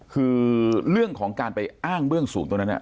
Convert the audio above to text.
คือเรื่องของการไปอ้างเบื้องสูงตรงนั้น